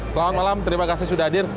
selamat malam terima kasih sudah hadir